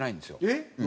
えっ！